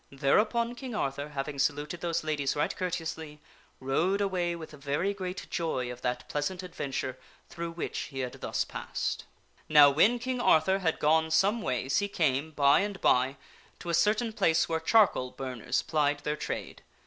Thereupon King Arthur, having saluted those ladies right courteously, rode away with very great joy of that pleasant adventure through which he had thus passed. Now when King Arthur had gone some ways he came, by and by, to a certain place where charcoal burners plied their trade.